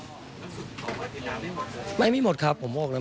แล้วสู้กับว่าที่น้ำไม่หมดหรือเปล่า